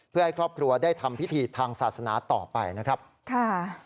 เพื่อให้ครอบครัวได้ทำพิธีทางศาสนาต่อไปนะครับค่ะ